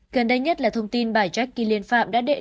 gần đây nhất là thông tin bài trách khi liên phạm đã định